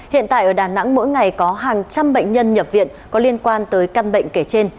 hiện tại ở đà nẵng mỗi ngày có hàng trăm bệnh nhân nhập viện có liên quan tới căn bệnh kể trên